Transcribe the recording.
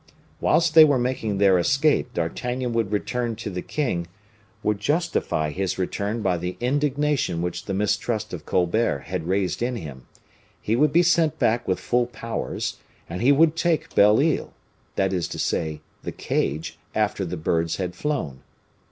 Whilst they were making their escape, D'Artagnan would return to the king; would justify his return by the indignation which the mistrust of Colbert had raised in him; he would be sent back with full powers, and he would take Belle Isle; that is to say, the cage, after the birds had flown.